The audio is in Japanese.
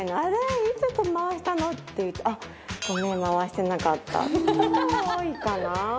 いつ回したの？」って言って「ごめん回してなかった」とかが多いかな。